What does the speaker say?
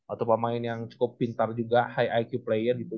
atau pemain yang cukup pintar juga high iq player gitu